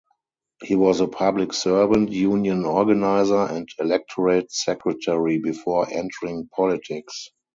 He was a public servant, union organiser and electorate secretary before entering politics.